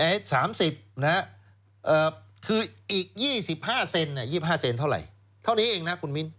๓๐อีก๒๕เซนเท่าไรเท่านี้เองนะคุณมิน